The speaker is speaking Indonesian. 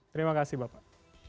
terima kasih bapak